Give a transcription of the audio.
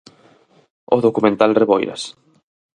O documental Reboiras.